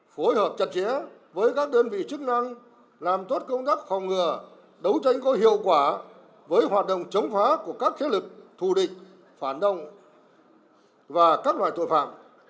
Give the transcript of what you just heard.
phối hợp chặt chẽ với các đơn vị chức năng làm tốt công tác phòng ngừa đấu tranh có hiệu quả với hoạt động chống phá của các thế lực thù địch phản động và các loại tội phạm